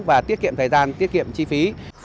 và tiết kiệm thời gian tiết kiệm chi phí